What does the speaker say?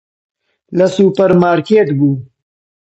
لە سوپەرمارکێت بوو.